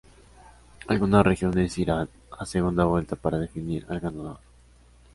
Algunas regiones irán a segunda vuelta para definir al ganador.